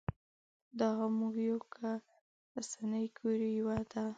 دا هم موږ یو که رسنۍ ګورې یوه ده.